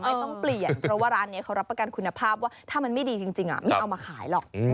ไม่ต้องเปลี่ยนเพราะว่าร้านนี้เขารับประกันคุณภาพว่าถ้ามันไม่ดีจริงไม่เอามาขายหรอก